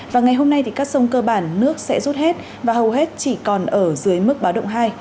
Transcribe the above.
và ngày hôm nay các sông cơ bản nước sẽ rút hết và hầu hết chỉ còn ở dưới mức báo động hai